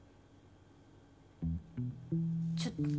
ちょっと！